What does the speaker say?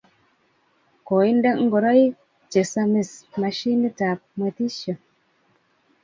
Koinde ngoroik che samis machinit ap mwetisyo.